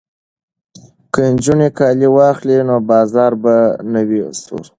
که نجونې کالي واخلي نو بازار به نه وي سوړ.